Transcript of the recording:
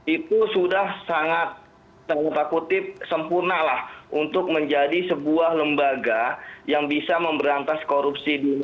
itu sudah sangat tanda kutip sempurna lah untuk menjadi sebuah lembaga yang bisa memberantas korupsi di dunia